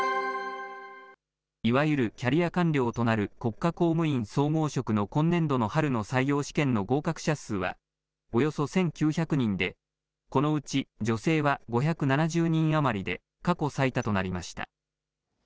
いわゆるキャリア官僚となる国家公務員総合職の今年度の春の採用試験の合格者数は、およそ１９００人で、このうち女性は５７０人余りで、過去最多となりました。